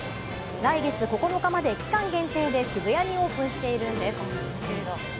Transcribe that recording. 来月９日まで期間限定で渋谷にオープンしているんです。